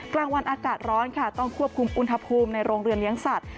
กลางวันอากาศร้อนค่ะต้องควบคุมอุณหภูมิในโรงเรือนเลี้ยงสัตว